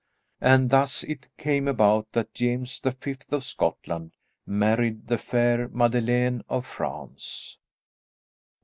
And thus it came about that James the Fifth of Scotland married the fair Madeleine of France.